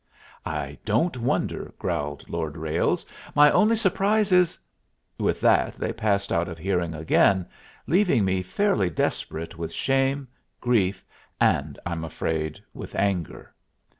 "I don't wonder," growled Lord Ralles. "My only surprise is " With that they passed out of hearing again, leaving me fairly desperate with shame, grief, and, I'm afraid, with anger.